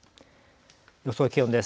予想気温です。